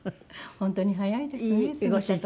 本当に早いですね